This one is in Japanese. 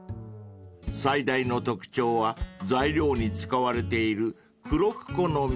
［最大の特徴は材料に使われている黒クコの実］